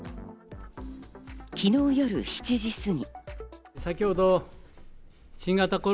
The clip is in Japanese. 昨日、夜７時過ぎ。